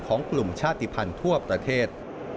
ของกลุ่มชาติภัณฑ์ทั่วประเทศ